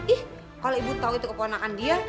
ih kalau ibu tahu itu keponakan dia